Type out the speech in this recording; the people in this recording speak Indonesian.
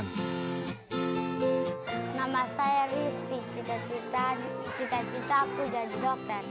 nama saya ristis cita cita aku jadi dokter